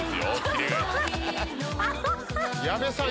矢部さん